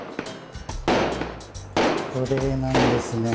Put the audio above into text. これなんですね。